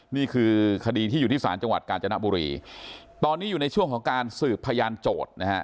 นี่คือคดีที่อยู่ที่ศาลจังหวัดกาญจนบุรีตอนนี้อยู่ในช่วงของการสืบพยานโจทย์นะฮะ